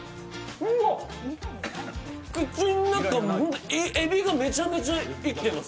うわっ、口の中、海老がめちゃめちゃ生きてます。